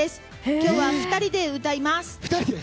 今日は２人で歌います。